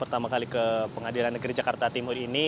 pertama kali ke pengadilan negeri jakarta timur ini